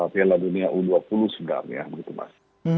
piala dunia u dua puluh sebenarnya begitu mas